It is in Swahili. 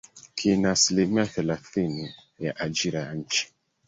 kina asilimia thelathini ya ajira ya nchi